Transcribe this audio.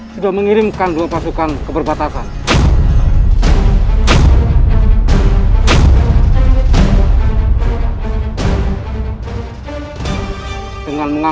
hidup raden suraya sesa